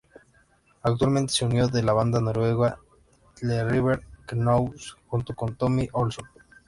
Actualmente se unió a la banda noruega The River Knows junto con Tommy Olsson.